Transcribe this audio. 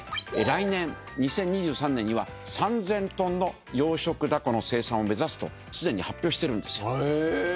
来年２０２３年には３，０００ｔの養殖ダコの生産を目指すとすでに発表してるんですよ。